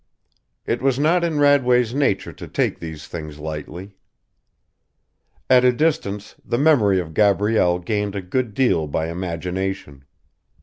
It was not in Radway's nature to take these things lightly. At a distance the memory of Gabrielle gained a good deal by imagination.